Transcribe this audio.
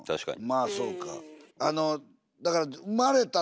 まあそうか。